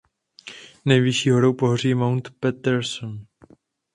Nejvyšší horou pohoří je Mount Patterson.